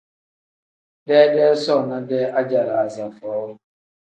Deedee soona-dee ajalaaza foo.